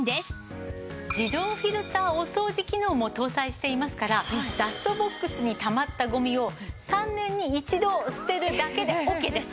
自動フィルターお掃除機能も搭載していますからダストボックスにたまったゴミを３年に１度捨てるだけでオッケーです。